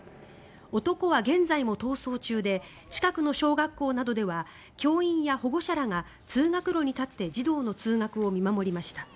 男は現在も逃走中で近くの小学校などでは教員や保護者らが通学路に立って児童の通学を見守りました。